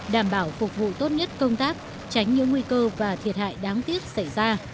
đảm bảo phục vụ tốt nhất công tác tránh những nguy cơ và thiệt hại đáng tiếc xảy ra